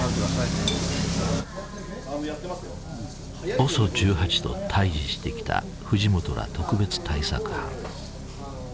ＯＳＯ１８と対じしてきた藤本ら特別対策班。